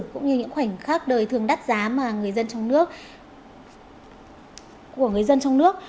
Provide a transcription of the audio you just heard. cũng như những khoảnh khắc đời thường đắt giá của người dân trong nước